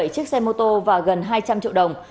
một mươi bảy chiếc xe mô tô và gần hai trăm linh triệu đồng